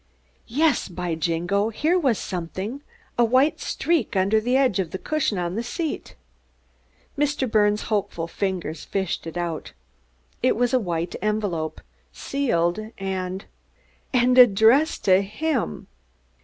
Yes, by Jingo, here was something a white streak under the edge of the cushion on the seat! Mr. Birnes' hopeful fingers fished it out. It was a white envelope, sealed and _and addressed to him!